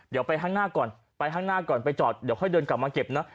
เดี๋ยวไปข้างหน้าก่อนไปข้างหน้าก่อนไปจอดเดี๋ยวค่อยเดินกลับมาเก็บนะ